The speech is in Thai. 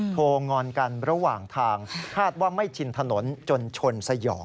วงอนกันระหว่างทางคาดว่าไม่ชินถนนจนชนสยอง